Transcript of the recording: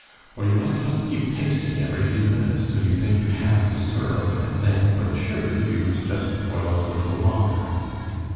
"Oh, you must just keep tasting every few minutes till you think you have the syrup, and then for the sugar you must just boil it a little longer."